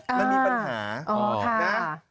มันมีปัญหานะ